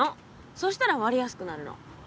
そしたら割れやすくなるの。